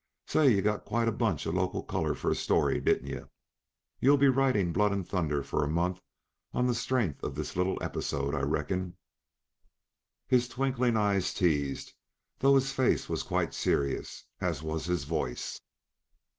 Say, yuh got quite a bunch uh local color for a story, didn't yuh? You'll be writing blood and thunder for a month on the strength of this little episode, I reckon." his twinkling eyes teased, though his face was quite serious, as was his voice.